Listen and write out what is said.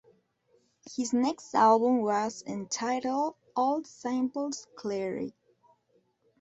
His next album was entitled All Samples Cleared!